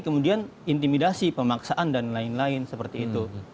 kemudian intimidasi pemaksaan dan lain lain seperti itu